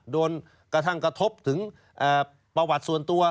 โดนกระทบถึงประวัติส่วนตัว